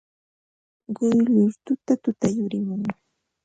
Quyllur tutatuta yurimun.